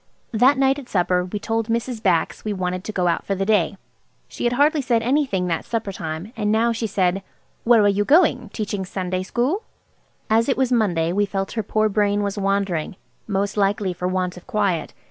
That night at supper we told Mrs. Bax we wanted to go out for the day. She had hardly said anything that supper time, and now she said– "Where are you going? Teaching Sunday school?" As it was Monday, we felt her poor brain was wandering–most likely for want of quiet.